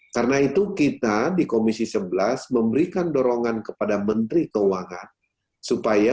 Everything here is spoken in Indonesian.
karena itu kita di komisi sebelas memberikan dorongan kepada menteri keuangan supaya